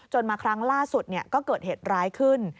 มาครั้งล่าสุดก็เกิดเหตุร้ายขึ้น